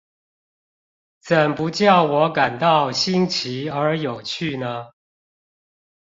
怎不教我感到新奇而有趣呢？